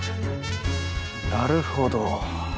なるほど。